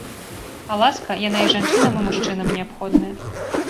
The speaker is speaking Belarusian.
А ласка, яна і жанчынам і мужчынам неабходная.